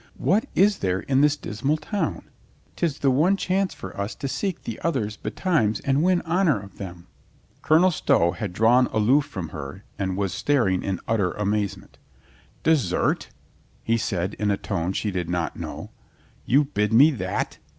What is there in this dismal town? 2i6 COLONEL GREATHEART 'Tis the one chance for us to seek the others betimes and win honor of them." Colonel Stow had drawn aloof from her and was staring in utter amazement. "Desert?" he said in a tone she did not know. "You bid me that?